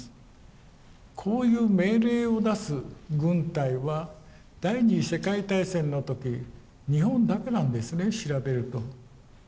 こういう命令を出す軍隊は第二次世界大戦の時日本だけなんですね調べると。